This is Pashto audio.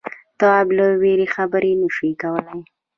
تواب له وېرې خبرې نه شوې کولای.